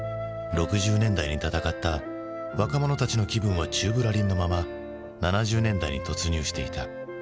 ６０年代に闘った若者たちの気分は宙ぶらりんのまま７０年代に突入していた。